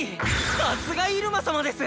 さすが入間様です！